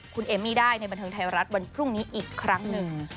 คุณเอมมี่ได้ในบันเทิงไทยรัฐวันพรุ่งนี้อีกครั้งหนึ่ง